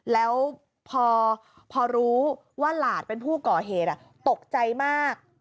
แล้วพอรู้ว่าหลานเป็นผู้ก่อเหตุตกใจมาก